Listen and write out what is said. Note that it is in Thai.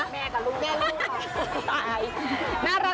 แม่กับลูกแม่ลูกค่ะ